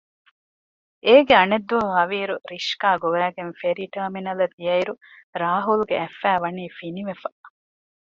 އޭގެ އަނެއް ދުވަހު ހަވީރު ރިޝްކާ ގޮވައިގެން ފެރީ ޓާމިނަލަށް ދިޔައިރު ރާހުލްގެ އަތް ފައި ވަނީ ފިނިވެފަ